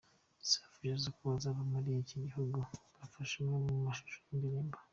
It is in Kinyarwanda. Safi yavuze ko bazava muri iki gihugu bafashe amwe mu mashusho y’iyi ndirimbo.